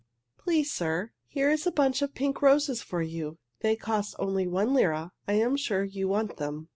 Please, sir, here is a bunch of pink roses for you. They cost only one lira. I am sure you want them."